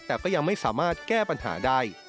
แต่ก็ยังไม่สามารถแก้ปัญหาได้